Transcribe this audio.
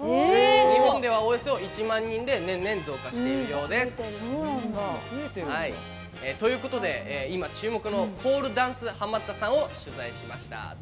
日本では、およそ１万人で年々増加しているようです。ということで今、注目のポールダンスハマったさんを取材しました。